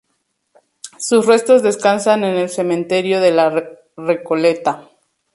Sus restos descansan en el cementerio de la Recoleta.